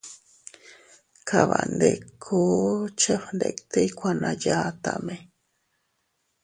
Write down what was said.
Kabandikku chefgnditiy kuana yatame.